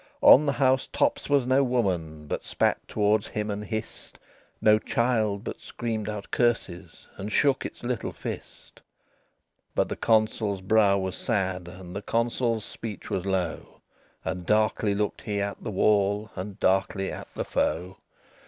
On the house tops was no woman But spat towards him and hissed, No child but screamed out curses, And shook its little fist. XXVI But the Consul's brow was sad, And the Consul's speech was low, And darkly looked he at the wall, And darkly at the foe.